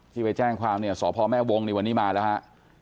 ที่ไปแจ้งความสพแม่วงศ์ในวันนี้มาแล้ว